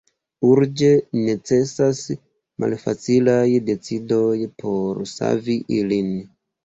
Urĝe necesas malfacilaj decidoj por savi ilin.